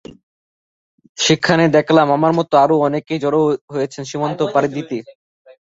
সেখানে দেখলাম আমার মতো আরও অনেকে জড়ো হয়েছেন সীমান্ত পাড়ি দিতে।